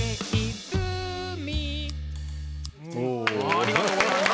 ありがとうございます。